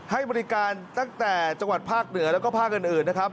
ให้บริการตั้งแต่จังหวัดภาคเหนือแล้วก็ภาคอื่นนะครับ